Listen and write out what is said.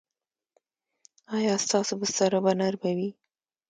ایا ستاسو بستره به نرمه وي؟